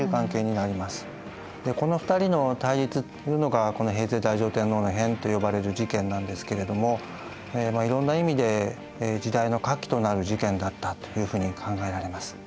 でこの２人の対立というのが平城太上天皇の変と呼ばれる事件なんですけれどもまあいろんな意味で時代の画期となる事件だったというふうに考えられます。